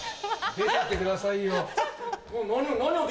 出てってください